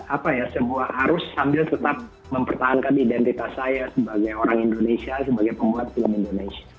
apa ya sebuah arus sambil tetap mempertahankan identitas saya sebagai orang indonesia sebagai pembuat film indonesia